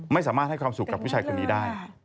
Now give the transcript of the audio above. ไม่สามารถให้ความสุขกับผู้ชายคนนี้ได้